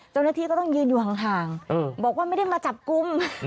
เจ้าหน้าที่ก็ต้องยืนอยู่ห่างบอกว่าไม่ได้มาจับกลุ่ม